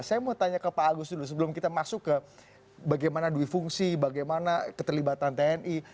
saya mau tanya ke pak agus dulu sebelum kita masuk ke bagaimana dui fungsi bagaimana keterlibatan tni